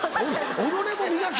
「己も磨け！」。